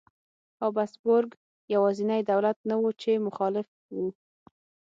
هابسبورګ یوازینی دولت نه و چې مخالف و.